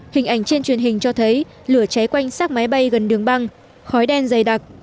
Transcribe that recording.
hình ảnh trên truyền hình cho thấy lửa cháy quanh sát máy bay gần đường băng khói đen dày đặc